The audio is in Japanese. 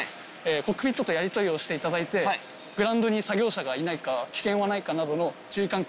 コックピットとやりとりをしていただいてグランドに作業者がいないか危険はないかなどの。